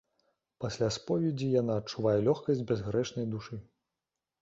Пасля споведзі яна адчувае лёгкасць бязгрэшнай душы.